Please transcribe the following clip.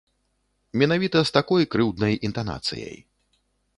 Менавіта з такой крыўднай інтанацыяй.